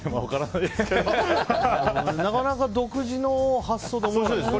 なかなか独自の発想で面白いですね。